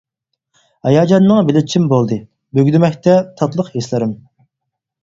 ھاياجاننىڭ بېلى چىم بولدى، مۈگدىمەكتە تاتلىق ھېسلىرىم.